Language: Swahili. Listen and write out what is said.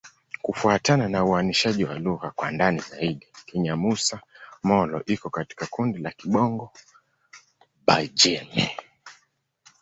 Kufuatana na uainishaji wa lugha kwa ndani zaidi, Kinyamusa-Molo iko katika kundi la Kibongo-Bagirmi.